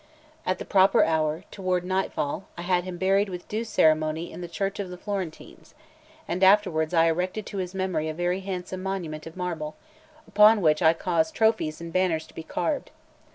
At the proper hour, toward nightfall, I had him buried with due ceremony in the church of the Florentines; and afterwards I erected to his memory a very handsome monument of marble, upon which I caused trophies and banners to be carved.